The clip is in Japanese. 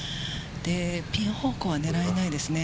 ピン方向は狙えないですね。